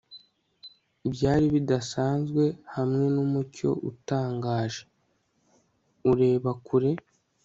byari bidasanzwe hamwe numucyo utangaje, ureba kure